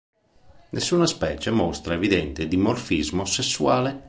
Nessuna specie mostra evidente dimorfismo sessuale.